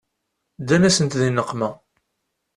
Ddan-asent di nneqma.